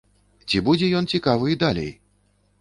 Ці будзе ён цікавы і далей?